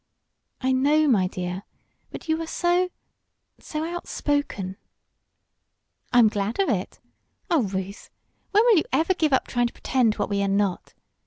"I know, my dear. But you are so so out spoken." "I'm glad of it. Oh, Ruth, when will you ever give up trying to pretend we are what we are not?